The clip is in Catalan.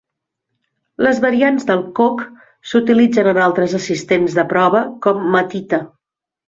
Les variants del CoC s'utilitzen en altres assistents de prova, com Matita.